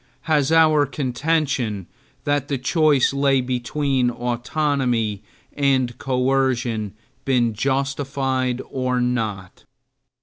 Has our contention that the choice lay between autonomy and coercion been justified or not?